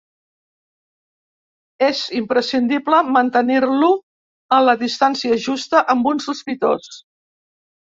És imprescindible mantenir-lo a la distància justa amb un sospitós.